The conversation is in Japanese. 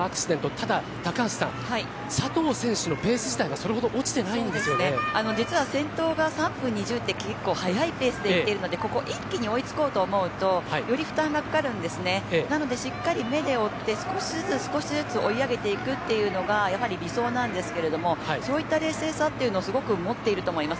ただ、高橋さん佐藤選手のペース自体は実は先頭が３分２０って結構速いペースで行っているので一気に追いつこうと思うとより負担がかかるんですねなので、しっかり目で追って少しずつ追い上げていくというのがやはり理想なんですけれどもそういった冷静さというのがすごく持っていると思います。